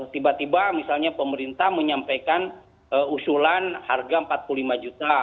tiba tiba misalnya pemerintah menyampaikan usulan harga rp empat puluh lima juta